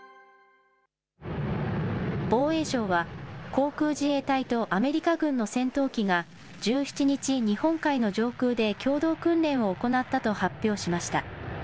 防衛省は、航空自衛隊とアメリカ軍の戦闘機が１７日、日本海の上空で共同訓練を行ったと発表しました。